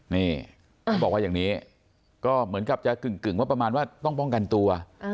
นี่เขาบอกว่าอย่างนี้ก็เหมือนกับจะกึ่งว่าประมาณว่าต้องป้องกันตัว